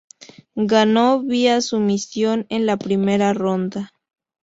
Ganó vía sumisión en la primera ronda.